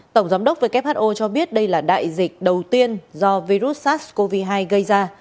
tổng giám đốc who cho biết đây là đại dịch đầu tiên do virus sars cov hai gây ra